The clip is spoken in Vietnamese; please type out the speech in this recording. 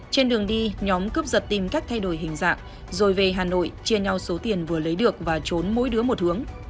trên đường đi nhóm cướp giật tìm cách thay đổi hình dạng rồi về hà nội chia nhau số tiền vừa lấy được và trốn mỗi đứa một hướng